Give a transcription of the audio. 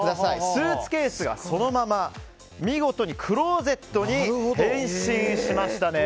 スーツケースがそのまま見事にクローゼットに変身しましたね。